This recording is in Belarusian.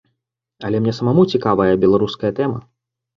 Але мне самому цікавая беларуская тэма.